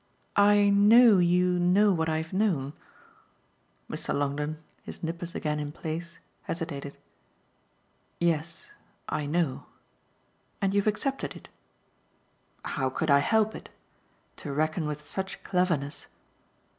I know you know what I've known." Mr. Longdon, his nippers again in place, hesitated. "Yes, I know." "And you've accepted it." "How could I help it? To reckon with such cleverness